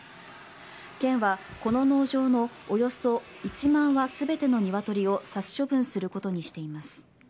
県はこの農場のおよそ１万羽全てのニワトリを殺処分することにしています。